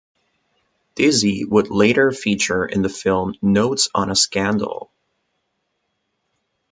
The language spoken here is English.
"Dizzy" would later feature in the film "Notes on a Scandal".